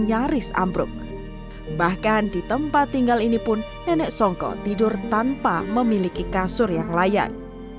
nyaris ambruk bahkan di tempat tinggal ini pun nenek songko tidur tanpa memiliki kasur yang layak